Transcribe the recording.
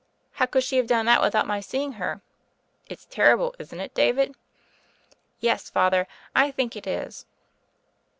"How could she have done that without my seeing her? It's terrible, isn't it, David?" "Yes, Father, I think it is."